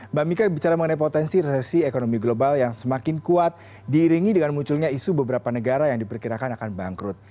mbak mika bicara mengenai potensi resesi ekonomi global yang semakin kuat diiringi dengan munculnya isu beberapa negara yang diperkirakan akan bangkrut